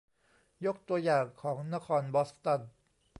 ยกตัวอย่างของนครบอสตัน